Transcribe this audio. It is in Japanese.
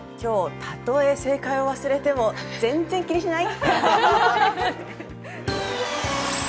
たとえ正解を忘れても全然気にしない。